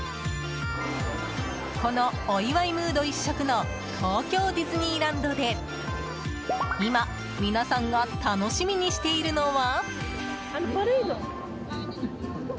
このお祝いムード一色の東京ディズニーランドで今、皆さんが楽しみにしているのは？